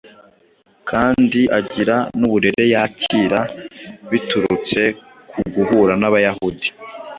kandi agira n’uburere yakira biturutse ku guhura n’Abayahudi.